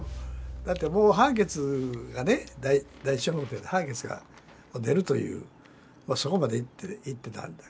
だってもう判決がね第一小法廷で判決が出るというそこまでいってたんだからね。